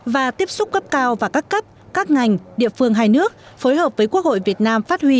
và tiếp xúc cấp cao và các cấp các ngành địa phương hai nước phối hợp với quốc hội việt nam phát huy